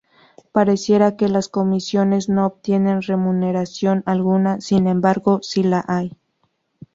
Pareciera que las comisiones no obtienen remuneración alguna, sin embargo si la hay.